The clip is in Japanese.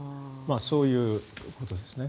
そういうことですね。